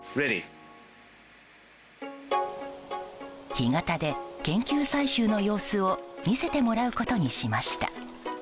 干潟で研究採集の様子を見せてもらうことにしました。